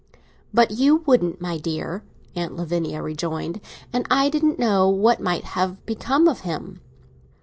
"But you wouldn't, my dear," Aunt Lavinia rejoined; "and I didn't know what might have become of him."